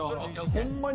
ホンマに。